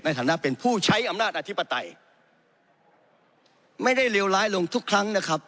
ในฐานะเป็นผู้ใช้อำนาจอธิปไตยไม่ได้เลวร้ายลงทุกครั้งนะครับ